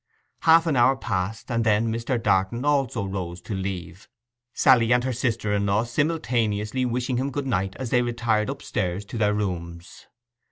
Half an hour passed, and then Mr. Darton also rose to leave, Sally and her sister in law simultaneously wishing him good night as they retired upstairs to their rooms.